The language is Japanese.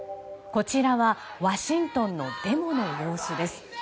こちらはワシントンのデモの様子です。